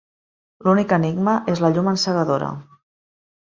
L'únic enigma és la llum encegadora.